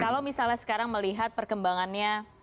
kalau misalnya sekarang melihat perkembangannya